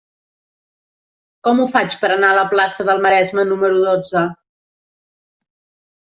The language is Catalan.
Com ho faig per anar a la plaça del Maresme número dotze?